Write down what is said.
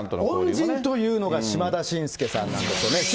恩人というのが島田紳助さんなんですよね。